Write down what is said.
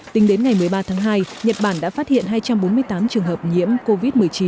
tính đến ngày một mươi ba tháng hai nhật bản đã phát hiện hai trăm bốn mươi tám trường hợp nhiễm covid một mươi chín